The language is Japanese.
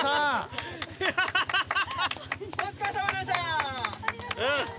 お疲れさまでした。